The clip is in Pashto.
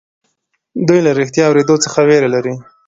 دوی له رښتيا اورېدو څخه وېره لري.